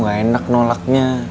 soalnya aku ga enak nolaknya